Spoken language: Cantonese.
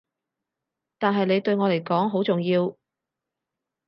但係你對我嚟講好重要